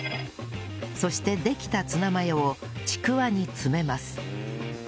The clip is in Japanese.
そしてできたツナマヨをちくわに詰めます